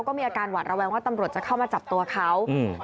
ก็มีอาการหวัดระแวงว่าตำรวจจะเข้ามาจับตัวเขาอืม